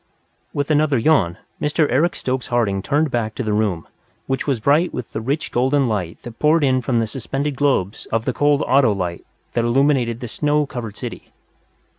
With another yawn, Mr. Eric Stokes Harding turned back to the room, which was bright with the rich golden light that poured in from the suspended globes of the cold ato light that illuminated the snow covered city.